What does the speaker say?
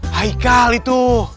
ah ikal itu